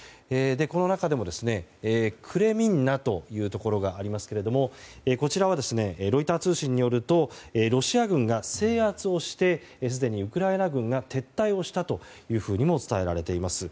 この中でも、クレミンナというところがありますけれどもこちらは、ロイター通信によるとロシア軍が制圧をしてすでにウクライナ軍が撤退をしたというふうにも伝えられています。